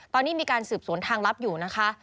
ตอนนี้มีการสืบสวนทางลับอยู่นะคะ